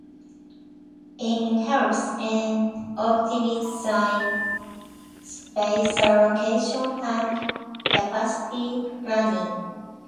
It helps in optimizing space allocation and capacity planning.